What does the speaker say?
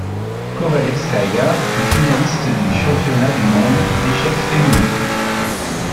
Kovalevskaïa fut finaliste du championnat du monde d'échecs féminin.